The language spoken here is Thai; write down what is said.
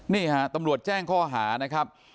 นี่ฮะตำรวจแจ้งข้อหานะครับ